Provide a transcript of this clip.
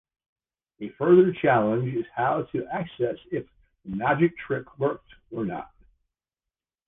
A further challenge is how to assess if the magic trick worked or not.